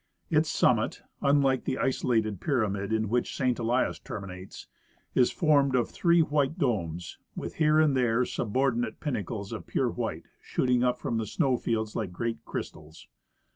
Its summit, unlike the isolated pyramid in which St. Elias terminates, is formed of three white domes, with here and there subordinate pinnacles of pure white, shooting up from the snow fields like great crystals.